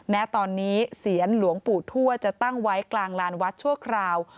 แม้ตอนนี้เสียนหลวงปู่ทั่วจะตั้งไว้กลางลานวัดชั่วคราว